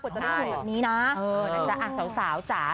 กว่าจะได้ห่วงแบบนี้นะ